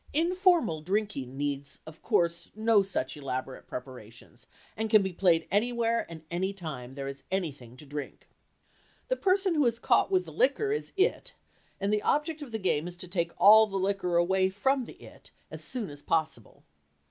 "Informal" drinking needs, of course, no such elaborate preparations and can be played anywhere and any time there is anything to drink. The person who is caught with the liquor is "It," and the object of the game is to take all the liquor away from the "It" as soon as possible.